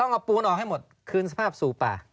เอาปูนออกให้หมดคืนสภาพสู่ป่า